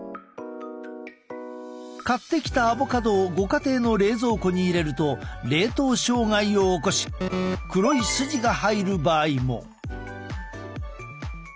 買ってきたアボカドをご家庭の冷蔵庫に入れると冷凍障害を起こし黒い筋が入る場合も。